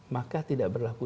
maka tidak berlaku